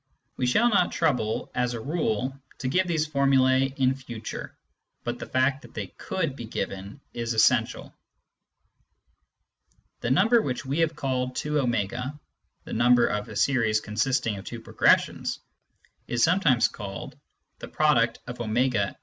We shall not trouble, as a rule, to give these formulae in future ; but the fact that they could be given is essential. The number which we have called z<a, namely, the number of a series consisting of two progressions, is sometimes called a>